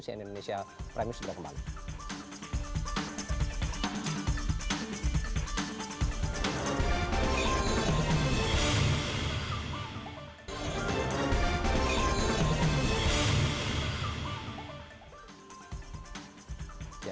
cnn indonesia prime news segera kembali